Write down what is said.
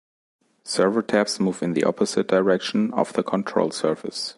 Servo tabs move in the opposite direction of the control surface.